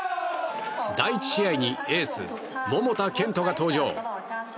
第１試合にエース、桃田賢斗が登場。